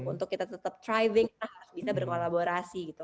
untuk kita tetap thriving kita harus bisa berkolaborasi gitu